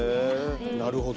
なるほど。